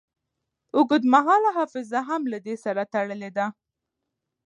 اوږدمهاله حافظه هم له دې سره تړلې ده.